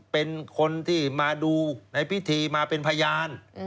เป็นคนที่มาดูในพิธีมาเป็นพยาน